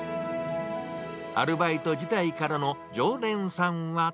アルバイト時代からの常連さんは。